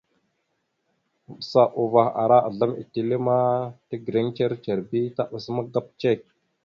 Maɓəsa uvah ara azlam etelle ma tegreŋ ndzir ndzir bi taɓas magap cek.